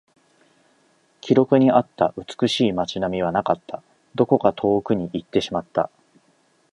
記録にあった美しい街並みはなかった。どこか遠くに行ってしまった。